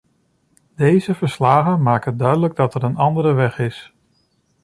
Deze verslagen maken duidelijk dat er een andere weg is.